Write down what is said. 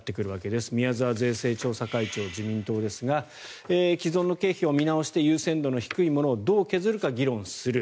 自民党の宮沢税制調査会長ですが既存の経費を見直して優先度の低いものをどう削るか議論する。